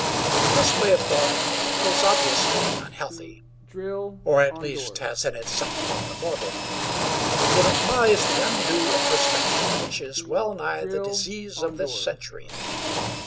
This way of thought is obviously unhealthy, or at least has in it something of the morbid. It implies the undue introspection which is well nigh the disease of this century.